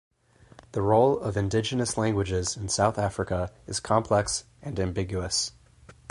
The role of indigenous languages in South Africa is complex and ambiguous.